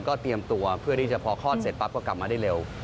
เตรียมตัวเพื่อที่จะพอคลอดเสร็จปั๊บก็กลับมาได้เร็ว